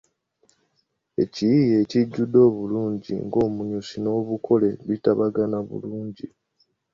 Ekiyiiye ekijjudde obulungi ng’omunyusi n’obukole bitabagana bulungi.